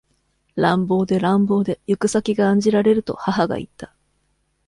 乱暴で乱暴で、ゆく先が案じられると、母がいった。